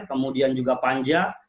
kemudian juga panja